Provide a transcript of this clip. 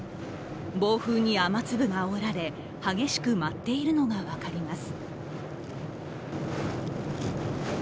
暴風に雨粒があおられ激しく舞っているのが分かります。